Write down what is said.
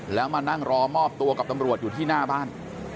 แล้วมานั่งรอมอบตัวกับตำรวจอยู่ที่หน้าบ้าน